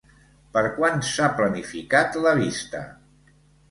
Per quan s'ha planificat la vista?